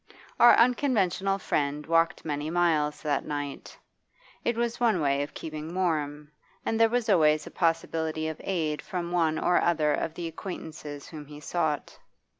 Our unconventional friend walked many miles that night. It was one way of keeping warm, and there was always a possibility of aid from one or other of the acquaintances whom he sought.